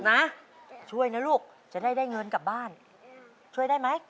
นะช่วยนะลูกจะได้ได้เงินกลับบ้านช่วยได้ไหม